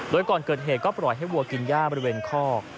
โดยก่อนเกิดเหตุก็ปล่อยให้วัวกินย่าบริเวณคอก